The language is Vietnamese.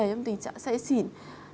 trong tình trạng say xỉn